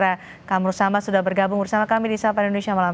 dan juga dari kamera kamur sama sudah bergabung bersama kami di sapa indonesia malam